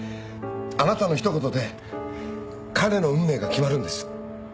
あなたのひと言で彼の運命が決まるんです。